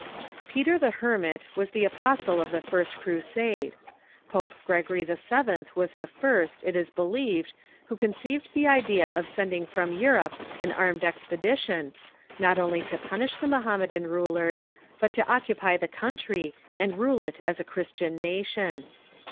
Peter the Hermit was tlie apostle of the first Crusade. Pope Gregory VII. was the first, it is believed, who conceived the idea of sending from Europe an armed expedition, ''f,*"" *.'l® not only to punish the Mohammedan rulers, but to oc Hermit ,,,• /^t •• cupy the country, and rule it as a Christian nation.